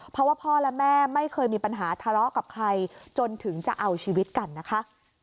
เพราะว่าพ่อและแม่ไม่เคยมีปัญหาทะเลาะกับใครจนถึงจะเอาชีวิตกันนะคะ